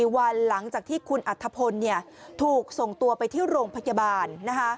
วันหลังจากที่คุณอัธพลถูกส่งตัวไปที่โรงพยาบาล